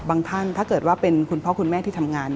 ท่านถ้าเกิดว่าเป็นคุณพ่อคุณแม่ที่ทำงาน